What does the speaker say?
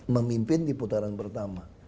memimpin di putaran pertama